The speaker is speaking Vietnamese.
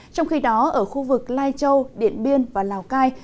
trong khi đó ở khu vực lai châu điện biên và lào cai